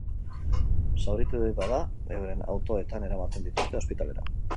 Zauriturik bada, euren autoetan eramaten dituzte ospitalera.